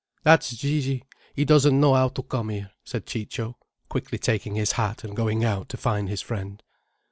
"That's Gigi! He doesn't know how to come here," said Ciccio, quickly taking his hat and going out to find his friend.